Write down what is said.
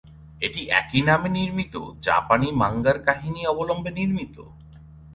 এটি একই নামে নির্মিত জাপানি মাঙ্গার কাহিনী অবলম্বনে নির্মিত।